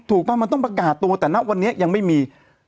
ป่ะมันต้องประกาศตัวแต่ณวันนี้ยังไม่มี